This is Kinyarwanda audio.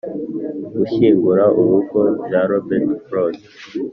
"gushyingura urugo" by robert frost